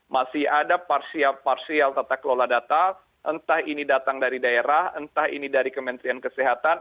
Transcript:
masih ada parsial parsial tata kelola data entah ini datang dari daerah entah ini dari kementerian kesehatan